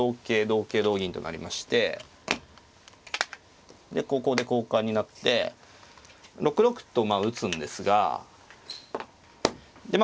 同桂同銀となりましてでここで交換になって６六と打つんですがで